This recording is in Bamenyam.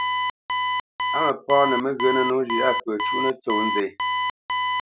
Á mǝpǎnǝ mǝghyǝnǝ nǒ zhʉ́ ya pǝ cuʼnǝ tsó nzɛ́.